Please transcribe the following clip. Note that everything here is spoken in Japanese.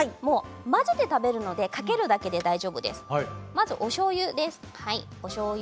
混ぜて食べるのでかけるだけで大丈夫です。